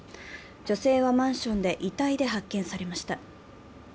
女性はマンションで遺体で発見されました。